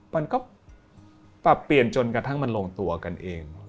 มันก็ปรับเปลี่ยนจนกระทั่งมันลงตัวกันเอง